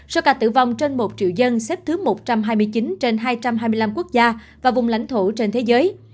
số ca tử vong trên một triệu dân xếp thứ một trăm hai mươi chín trên hai trăm hai mươi năm quốc gia và vùng lãnh thổ trên thế giới